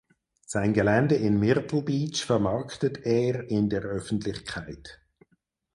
Sein Gelände in Myrtle Beach vermarktet er in der Öffentlichkeit.